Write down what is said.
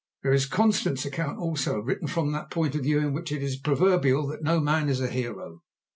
There is Constant's account, also written from that point of view in which it is proverbial that no man is a hero.